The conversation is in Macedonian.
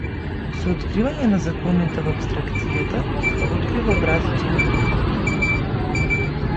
Со откривање на законите во апстракцијата се открива образецот на духот.